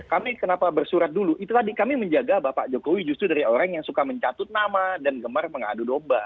kami kenapa bersurat dulu itu tadi kami menjaga bapak jokowi justru dari orang yang suka mencatut nama dan gemar mengadu domba